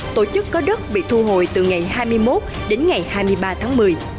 tổ chức có đất bị thu hồi từ ngày hai mươi một đến ngày hai mươi ba tháng một mươi